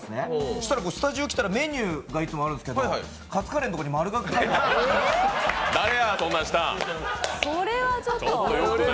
そうしたら、スタジオに来たらメニューがいつもあるんですけど、カツカレーのところに○が書いてあって。